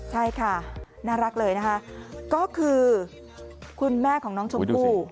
ใช่ค่ะน่ารักเลยนะคะก็คือคุณแม่ของน้องชมพู่